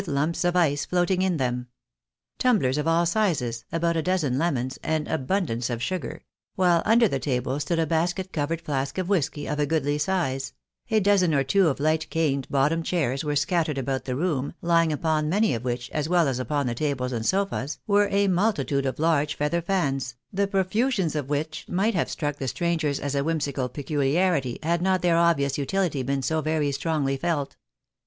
35 lumps of ice floating in them ; tumblers of aU sizes, about a dozen lemons, and abundance of sugar ; while under the table stood a basket covered flask of whisky, of a goodly size ; a dozen or two of light cane bottomed chairs were scattered about the room, lying upon many of which, as well as upon the tables and sofas, were a multitude of large feather fans, the profusion of which might have struck the strangers as a whimsical peculiarity, had not their obvious utility been so very strongly felt.